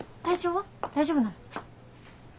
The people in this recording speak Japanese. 大丈夫なの？